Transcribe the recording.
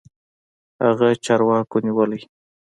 هغه چارواکو نيولى.